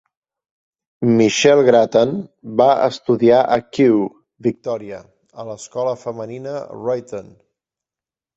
Michelle Grattan va estudiar a Kew (Victoria), a l'escola femenina Ruyton.